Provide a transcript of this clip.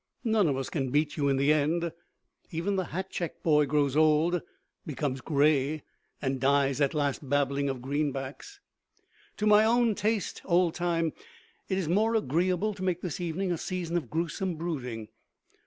None of us can beat you in the end. Even the hat check boy grows old, becomes gray and dies at last babbling of greenbacks. To my own taste, old Time, it is more agreeable to make this evening a season of gruesome brooding.